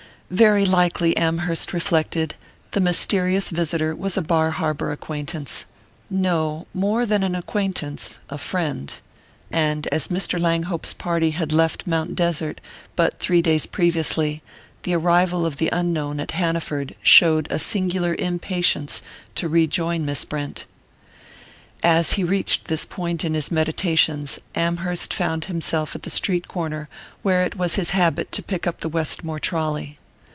Very likely, Amherst reflected, the mysterious visitor was a Bar Harbour acquaintance no, more than an acquaintance: a friend. And as Mr. Langhope's party had left Mount Desert but three days previously, the arrival of the unknown at Hanaford showed a singular impatience to rejoin Miss Brent. As he reached this point in his meditations, Amherst found himself at the street corner where it was his habit to pick up the Westmore trolley.